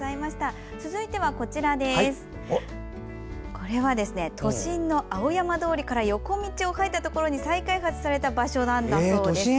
続いては、都心の青山通りから横道を入ったところに再開発された場所なんだそうです。